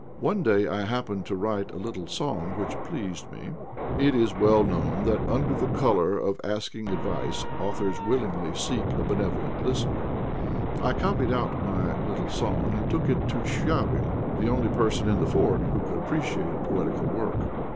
One day I happened to write a little song which pleased me. It is well known that under colour of asking advice, authors willingly seek a benevolent listener; I copied out my little song, and took it to Chvabrine, the only person in the fort who could appreciate a poetical work.